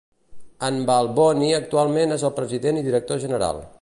En Balboni actualment és el President i Director General.